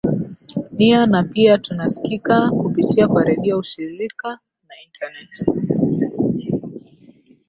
nia na pia tunaskika kupitia kwa redio ushirika na internet